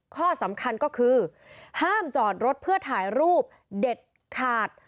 ข้อสำคัญก็คือห้ามจอดรถเพื่อถ่ายรูปเด็ดขาด